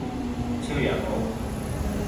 清远侯。